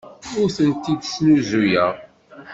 Ur tent-id-snuzuyeɣ.